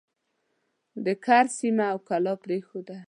د کرز سیمه او کلا پرېښوده.